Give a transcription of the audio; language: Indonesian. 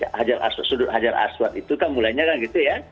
nah sudut hajar aswad itu kan mulainya kan gitu ya